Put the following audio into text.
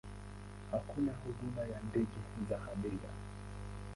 Hakuna huduma ya ndege za abiria.